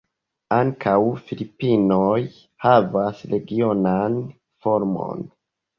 Ankaŭ Filipinoj havas regionan formon.